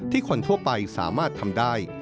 คนทั่วไปสามารถทำได้